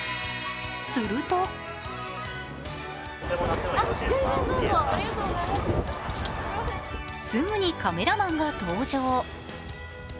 するとすぐにカメラマンが登場。